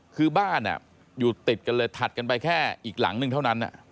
คือบ้านอยู่ติดกันเลยถัดกันไปแค่อีกหลังหนึ่งเท่านั้น